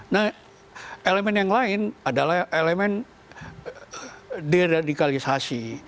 nah elemen yang lain adalah elemen deradikalisasi